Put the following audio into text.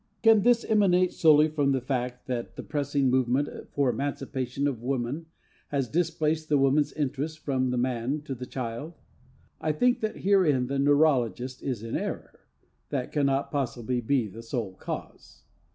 Can this emanate solely from the fact that the pressing movement for emancipation of woman has displaced the woman's interest from the man to the child? I think that herein the neurologist is in error. That cannot possibly be the sole cause.